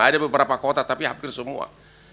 ada beberapa kota tapi hampir semua